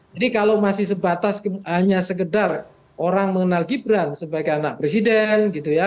jadi kalau masih sebatas hanya sekedar orang mengenal gibran sebagai anak presiden gitu ya